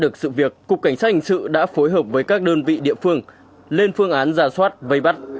cục cảnh sát hình sự đã phối hợp với các đơn vị địa phương lên phương án ra soát vây bắt